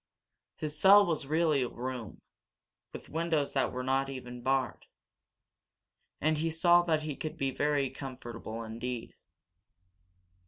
His cell was really a room, with windows that were not even barred. And he saw that he could be very comfortable indeed.